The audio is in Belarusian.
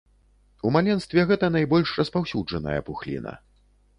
У маленстве гэта найбольш распаўсюджаная пухліна.